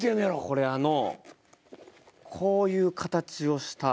これあのこういう形をした。